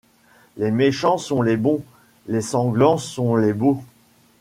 Les méchants sont les bons ; les sanglants sont les beaux.